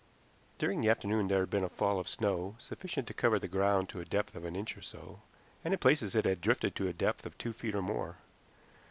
During the afternoon there had been a fall of snow, sufficient to cover the ground to a depth of an inch or so, and in places it had drifted to a depth of two feet or more.